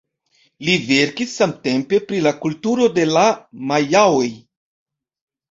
Li verkis samtempe pri la kulturo de la majaoj.